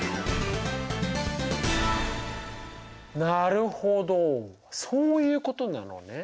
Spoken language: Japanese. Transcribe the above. なるほどそういうことなのね。